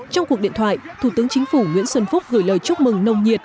trong cuộc điện thoại thủ tướng chính phủ nguyễn xuân phúc gửi lời chúc mừng nồng nhiệt